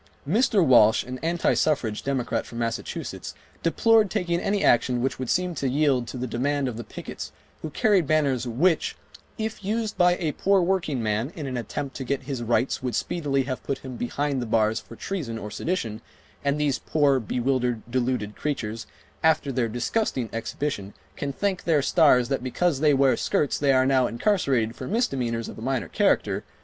Mr. Walsh, an anti suffrage Democrat from Massachusetts, deplored taking any action which would seem to yield to the demand of the pickets who carried banners which "if used by a poor workingman in an attempt to get his rights would speedily have put him behind the bars for treason or sedition, and these poor, bewildered, deluded creatures, after their disgusting exhibition can thank their stars that because they wear skirts they are now incarcerated for misdemeanors of a minor character